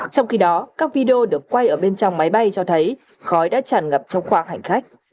trong khi đó các video được quay ở bên trong máy bay cho thấy khói đã tràn ngập trong khoảng hành khách